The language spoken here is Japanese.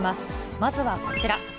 まずはこちら。